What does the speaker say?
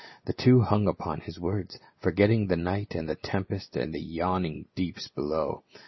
The two hung upon his words, forgetting the night and the tempest and the yawning deeps below.